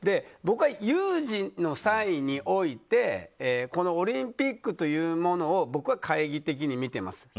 僕は有事の際においてオリンピックというものを僕は懐疑的に見ています。